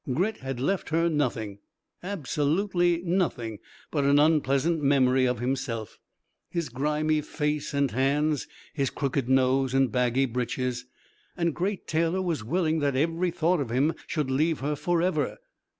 Grit had left her nothing, absolutely nothing, but an unpleasant memory of himself his grimy face and hands, his crooked nose and baggy breeches.... And Great Taylor was willing that every thought of him should leave her forever.